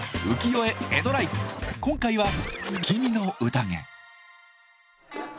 今回は月見の宴。